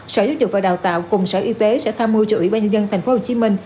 sở giáo dục và đào tạo cùng sở y tế sẽ tham mưu cho ủy ban nhân dân tp hcm